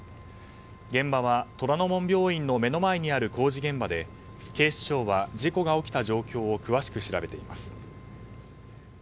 現場は虎ノ門病院の目の前にある工事現場で警視庁は事故が起きた状況を詳しく調べています。